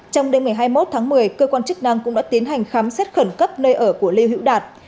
trong đêm một mươi hai tháng một mươi cơ quan chức năng cũng đã tiến hành khám xét khẩn cấp nơi ở của lê hữu đạt